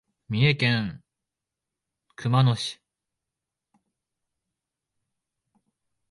三重県熊野市